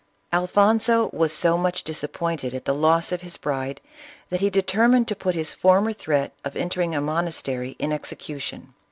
Alfonso was so much disappointed at the loss of his bride, that he determined to put his former threat of entering a monastery in execution.